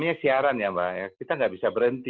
kita tidak bisa berhenti